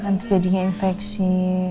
nanti jadinya infeksi